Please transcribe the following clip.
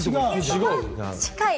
近い！